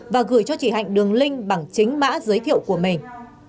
và gửi cho chị hạnh đường link bằng chính mã giới thiệu của mình